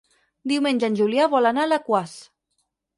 Diumenge en Julià vol anar a Alaquàs.